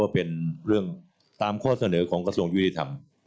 เป็นเรื่องตามข้อเสนอของกระทรวงยุติธรรม